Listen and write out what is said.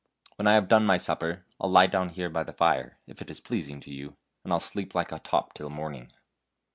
" When I have done my supper I'll lie down here by the fire, if it is pleasing to you, and I'll sleep like a top until morning.